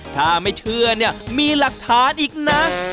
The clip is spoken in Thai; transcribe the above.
ถ้าไม่เชื่อมีหลักฐานอีกหน่อย